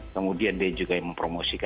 kemudian dia juga mempromosikan